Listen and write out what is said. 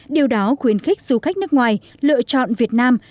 điều đó khuyến khích du khách nước ngoài lựa chọn việt nam